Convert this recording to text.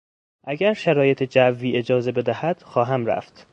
اگر شرایط جوی اجازه بدهد خواهم رفت.